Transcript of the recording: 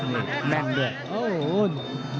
นี่แน่นด้วย